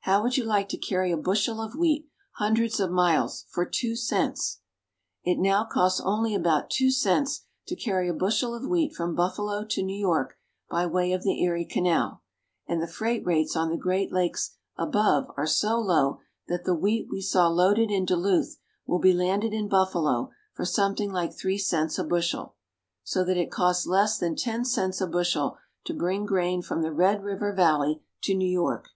How would you like to carry a bushel of wheat hundreds of miles for two cents? It now costs only about two cents to carry a bushel of wheat from Buffalo to New York by way of the Erie Canal, and the freight rates on the Great Lakes above are so low that the wheat we saw loaded in Duluth will be landed in Buffalo for something like three cents a bushel ; so that it costs less than ten cents a bushel to bring grain from the Red River Valley to New York.